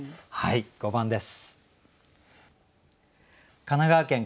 ５番です。